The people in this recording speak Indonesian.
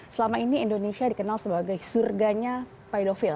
selama ini indonesia dikenal sebagai surganya pedofil